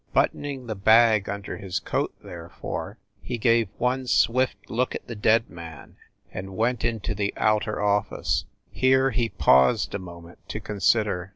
PAUL BUILDING 209 Buttoning the bag under his coat, therefore, he gave one swift look at the dead man, and went into the outer office. Here he paused a moment to con sider.